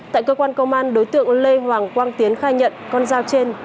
tại cơ quan công an đối tượng lê hoàng quang tiến khai nhận con dao trên